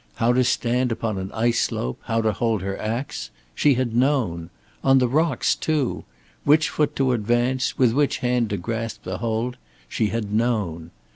How to stand upon an ice slope, how to hold her ax she had known. On the rocks, too! Which foot to advance, with which hand to grasp the hold she had known.